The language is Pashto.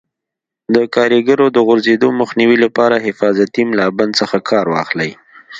د کاریګرو د غورځېدو مخنیوي لپاره حفاظتي ملابند څخه کار واخلئ.